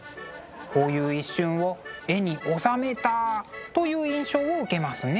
こういう一瞬を絵に収めたという印象を受けますね。